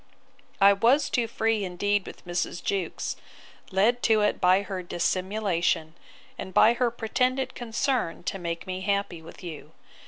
'I was too free indeed with Mrs. Jewkes, led to it by her dissimulation, and by her pretended concern to make me happy with you.